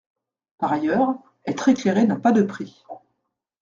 Par ailleurs, être éclairé n’a pas de prix.